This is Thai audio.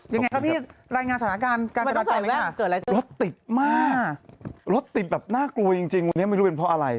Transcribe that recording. ยังไงครับพี่รายงานสถานการณ์